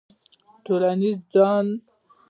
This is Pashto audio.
ټولنیز ځان